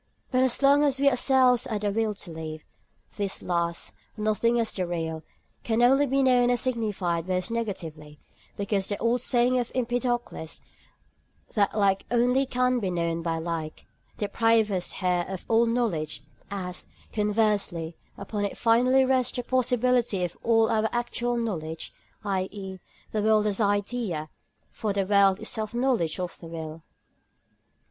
But as long as we ourselves are the will to live, this last—nothing as the real—can only be known and signified by us negatively, because the old saying of Empedocles, that like can only be known by like, deprives us here of all knowledge, as, conversely, upon it finally rests the possibility of all our actual knowledge, i.e., the world as idea; for the world is the self knowledge of the will.